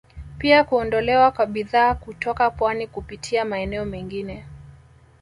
Pia kuondolewa kwa bidhaa kutoka pwani kupitia maeneo mengine